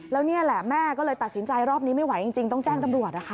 แล้วนี่แหละแม่ก็เลยตัดสินใจรอบนี้ไม่ไหวจริงต้องแจ้งตำรวจนะคะ